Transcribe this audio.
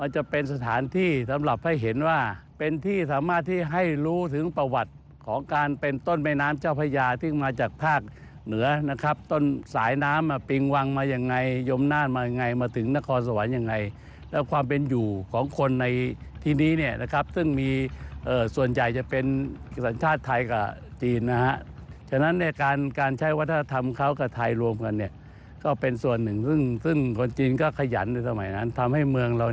จะเป็นสถานที่สำหรับให้เห็นว่าเป็นที่สามารถที่ให้รู้ถึงประวัติของการเป็นต้นแม่น้ำเจ้าพระยาที่มาจากภาคเหนือนะครับต้นสายน้ำมาปิงวังมายังไงยมนาศมายังไงมาถึงนครสวรรค์ยังไงแล้วความเป็นอยู่ของคนในที่นี้นะครับซึ่งมีเอ่อส่วนใหญ่จะเป็นสัญชาติไทยกับจีนนะฮะฉะนั้นในการการใช